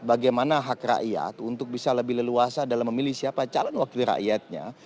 bagaimana hak rakyat untuk bisa lebih leluasa dalam memilih siapa calon wakil rakyatnya